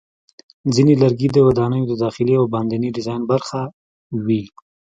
ځینې لرګي د ودانیو د داخلي او باندني ډیزاین برخه وي.